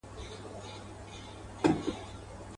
په موږک پسي جوړ کړی یې هی هی وو.